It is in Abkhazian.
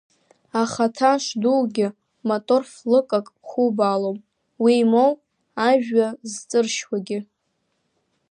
Ахаҭа шдуугьы мотор флыкак хубаалом, уи моу ажәҩа зҵыршьуагьы.